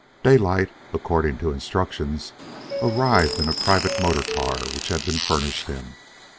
Daylight, according to instructions, arrived in a private motor car which had been furnished him.